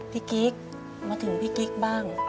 กิ๊กมาถึงพี่กิ๊กบ้าง